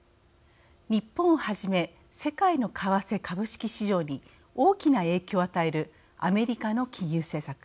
日本をはじめ世界の為替・株式市場に大きな影響を与えるアメリカの金融政策。